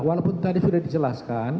walaupun tadi sudah dijelaskan